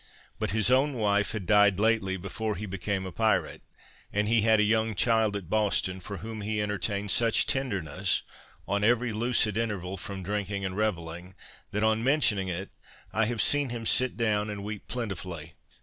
But his own wife had died lately before he became a pirate; and he had a young child at Boston, for whom he entertained such tenderness, on every lucid interval from drinking and revelling, that, on mentioning it, I have seen him sit down and weep plentifully.